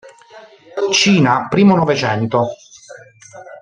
Cina, primo Novecento.